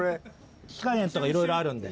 火加減とかいろいろあるんで。